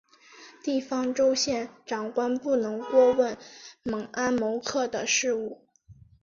地方州县长官不能过问猛安谋克的事务。